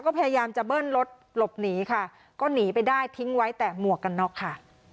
ก็พยายามจะเบิ้ลรถหลบหนีค่ะก็หนีไปได้ทิ้งไว้แต่หมวกกันน็อกค่ะ